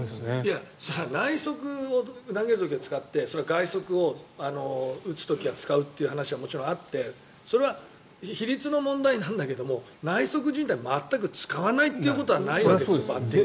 それは内側を投げる時は使って外側を打つ時は使うというのはもちろんあって、それは比率の問題なんだけども内側じん帯、全く使わないということはないですよ。